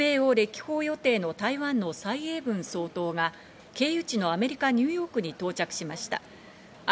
中米を歴訪予定の台湾のサイ・エイブン総統が経由地のアメリカ・ニューヨークに到着しました。